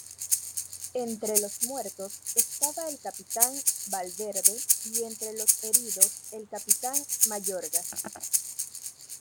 Entre los muertos estaba el capitán Valverde y entre los heridos el capitán Mayorga.